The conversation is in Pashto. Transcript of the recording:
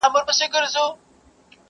ورکړې یې بوسه نه ده وعده یې د بوسې ده.